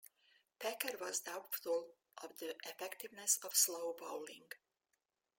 Packer was doubtful of the effectiveness of slow bowling.